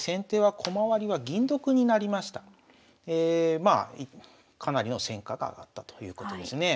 まあかなりの戦果があったということですね。